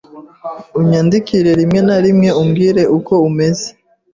Unyandikire rimwe na rimwe umbwire uko umeze.